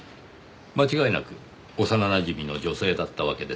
間違いなく幼なじみの女性だったわけですか。